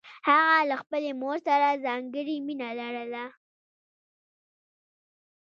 هغه له خپلې مور سره ځانګړې مینه لرله